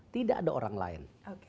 tidak ada orang lain